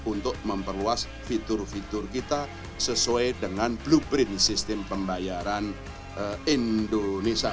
untuk memperluas fitur fitur kita sesuai dengan blueprint sistem pembayaran indonesia